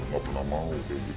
tidak pernah mau